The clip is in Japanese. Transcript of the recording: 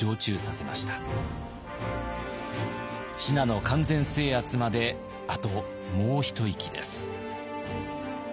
信濃完全制圧まであともう一息です。